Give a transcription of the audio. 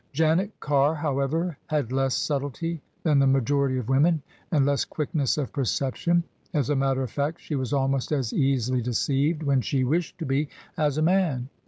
Janet Carr, however, had less subtlety than the majority of women and less quickness of perception: as a matter of fact she was almost as easily deceived (when she wished to be) as a man.